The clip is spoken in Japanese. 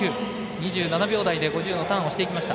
２７秒台で５０のターンをしていきました。